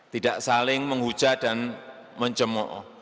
tidak saling menghujat dan mencemoh